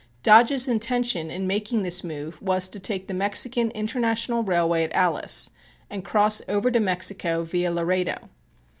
Dodge's intention in making this move was to take the Mexican International Railway at Alice and cross over to Mexico via Laredo.